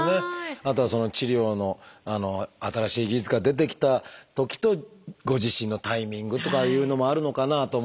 あとは治療の新しい技術が出てきたときとご自身のタイミングとかいうのもあるのかなと思ったりもしますが。